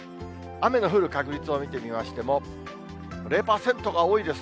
雨の降る確率を見てみましても、０％が多いです。